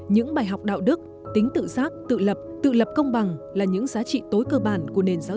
những bài học đạo đức tính tự giác tự lập tự lập công bằng là những giá trị tối cơ bản của nền giáo